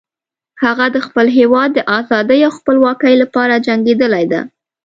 هغه د خپل هیواد د آزادۍ او خپلواکۍ لپاره جنګیدلی ده